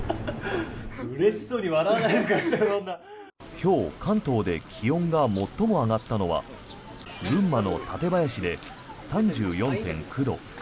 今日、関東で気温が最も上がったのは群馬の館林で３４．９度。